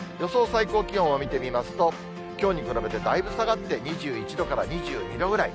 最高気温を見てみますと、きょうに比べてだいぶ下がって２１度から２２度ぐらい。